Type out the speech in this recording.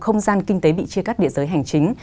không gian kinh tế bị chia cắt địa giới hành chính